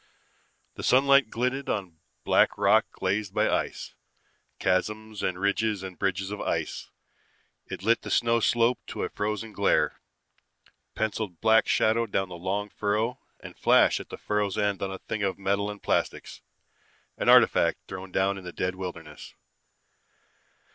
The sun glinted on black rock glazed by ice, chasms and ridges and bridges of ice. It lit the snow slope to a frozen glare, penciled black shadow down the long furrow, and flashed at the furrow's end on a thing of metal and plastics, an artifact thrown down in the dead wilderness.